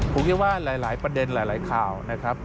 ผมคิดว่าหลายประเด็นหลายข่าวนะครับ